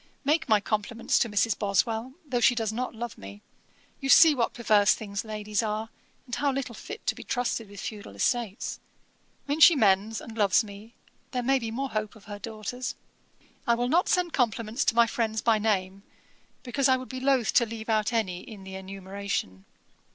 'Make my compliments to Mrs. Boswell, though she does not love me. You see what perverse things ladies are, and how little fit to be trusted with feudal estates. When she mends and loves me, there may be more hope of her daughters. 'I will not send compliments to my friends by name, because I would be loath to leave any out in the enumeration.